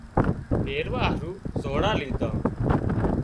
پيريا هارو زوڙان ليڌا